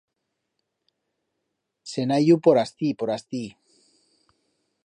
Se'n ha iu por astí, por astí...